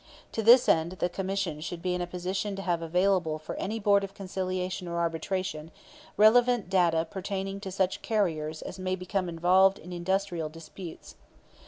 To this end the Commission should be in a position to have available for any Board of Conciliation or Arbitration relevant data pertaining to such carriers as may become involved in industrial disputes.